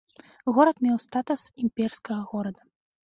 Горад меў статус імперскага горада.